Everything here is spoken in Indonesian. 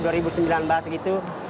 kalau kita membahas itu